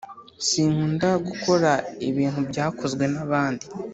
sinkunda gukora ibintu byakozwe nabandi